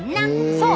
そう。